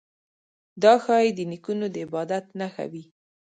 دا ښايي د نیکونو د عبادت نښه وي.